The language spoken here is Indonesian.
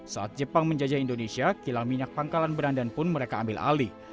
saat jepang menjajah indonesia kilang minyak pangkalan berandan pun mereka ambil alih